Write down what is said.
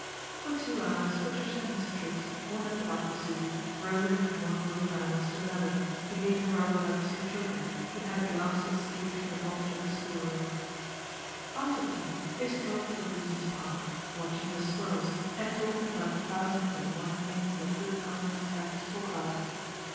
For two hours Patricia and Mr. Triggs wandered about the Zoo, roving from one group of animals to another, behaving rather like two children who had at last escaped from the bondage of the school room. 152 PATRICIA BRENT, SPINSTER After tea they strolled through Regent's Park, watching the squirrels and talking about the thousand and one things that good comrades have to talk about.